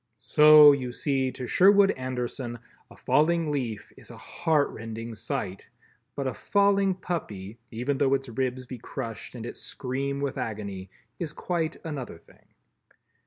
So, you see, to Sherwood Anderson a falling leaf is a heart rending sight, but a falling puppy, even though its ribs be crushed and it scream with agony, is quite another thing.